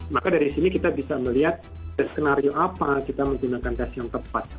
maka dari sini kita bisa melihat tes skenario apa kita menggunakan tes yang tepat